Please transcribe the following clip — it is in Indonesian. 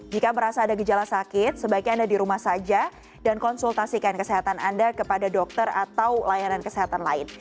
jika merasa ada gejala sakit sebaiknya anda di rumah saja dan konsultasikan kesehatan anda kepada dokter atau layanan kesehatan lain